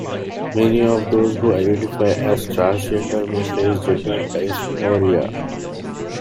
Many of those who identify as transgender may face gender dysphoria.